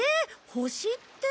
星って？